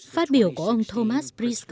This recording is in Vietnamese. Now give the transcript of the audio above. phát biểu của ông thomas